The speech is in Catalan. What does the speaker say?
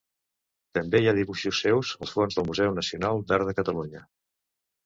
També hi ha dibuixos seus als fons del Museu Nacional d'Art de Catalunya.